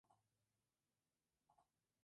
Es hijo de padres panameños, originarios de Colón.